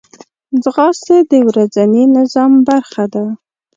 ځغاسته د ورځني نظام برخه ده